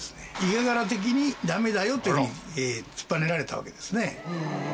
家柄的にダメだよというふうに突っぱねられたわけですね。